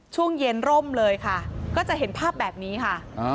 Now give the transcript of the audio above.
ช่วงเย็นร่มเลยค่ะก็จะเห็นภาพแบบนี้ค่ะ